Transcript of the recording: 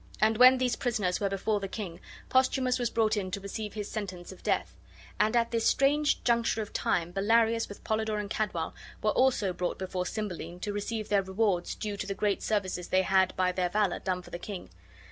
And when these prisoners were before the king, Posthumus was brought in to receive his sentence of death; and at this strange juncture of time Bellarius with Polydore and Cadwal were also brought before Cymbeline, to receive the rewards due to the great services they had by their valor done for the king.